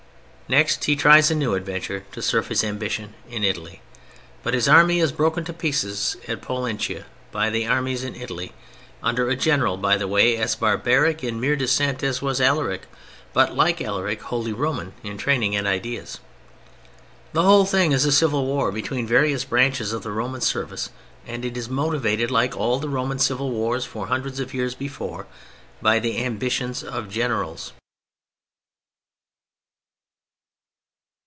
He next tries a new adventure to serve his ambition in Italy, but his army is broken to pieces at Pollentia by the armies in Italy—under a general, by the way, as barbaric in mere descent as was Alaric, but, like Alaric, wholly Roman in training and ideas. The whole thing is a civil war between various branches of the Roman service, and is motived, like all the Roman civil wars for hundreds of years before, by the ambitions of generals.